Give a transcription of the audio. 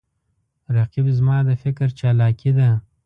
رقیب زما د فکر چالاکي ده